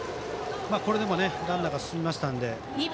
これでもランナーが進みましたので。